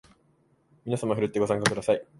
みなさまふるってご参加ください